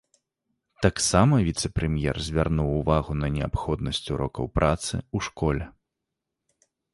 Таксама віцэ-прэм'ер звярнуў увагу на неабходнасць урокаў працы ў школе.